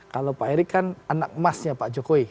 kalau pak erick kan anak emasnya pak jokowi